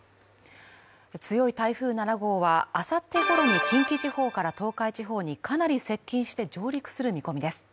強い台風７号はあさってごろに近畿地方から東海地方にかなり接近して上陸する見込みです。